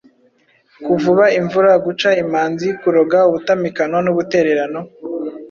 Kuvuba imvura, Guca imanzi, Kuroga ubutamikano n’ubutererano